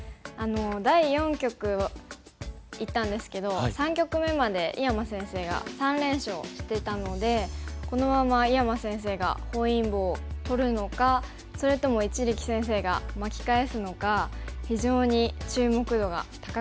第四局行ったんですけど３局目まで井山先生が３連勝していたのでこのまま井山先生が本因坊を取るのかそれとも一力先生が巻き返すのか非常に注目度が高かったですね。